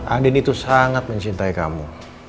aden itu sangat mencintai kamu